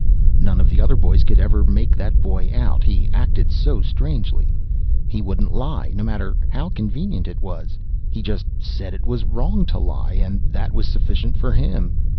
None of the other boys could ever make that boy out, he acted so strangely. He wouldn't lie, no matter how convenient it was. He just said it was wrong to lie, and that was sufficient for him.